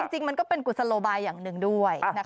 จริงมันก็เป็นกุศโลบายอย่างหนึ่งด้วย